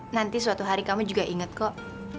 nanti suatu hari kamu juga ingat kok